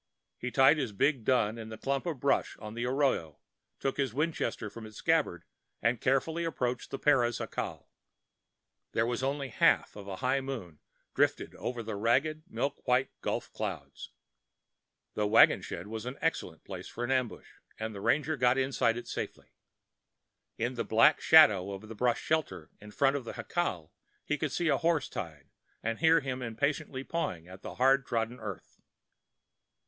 He tied his big dun in a clump of brush on the arroyo, took his Winchester from its scabbard, and carefully approached the Perez jacal. There was only the half of a high moon drifted over by ragged, milk white gulf clouds. The wagon shed was an excellent place for ambush; and the ranger got inside it safely. In the black shadow of the brush shelter in front of the jacal he could see a horse tied and hear him impatiently pawing the hard trodden earth.